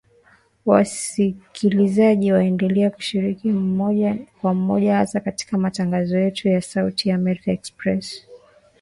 Wasikilizaji waendelea kushiriki moja kwa moja hasa katika matangazo yetu ya Sauti ya Amerika Express kupitia ‘Barazani’ na ‘Swali la Leo’, 'Maswali na Majibu', na 'Salamu Zenu'